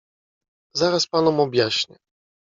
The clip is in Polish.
"Zaraz panom objaśnię."